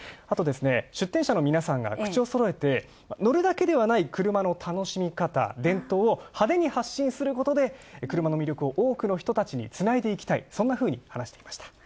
あと、出展者の皆さんが口をそろえて乗るだけではない車の楽しみ方、伝統を派手に発信することで車の魅力を多くの人たちにつないでいきたい、そんなふうに話していました。